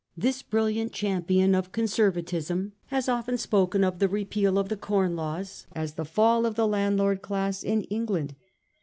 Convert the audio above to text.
This brilliant cham pion of Conservatism has often spoken of the repeal of the Com Laws as the fall of the landlord class in England.